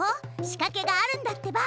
仕かけがあるんだってば！